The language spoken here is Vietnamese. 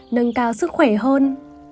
nâng cao sức khỏe hơn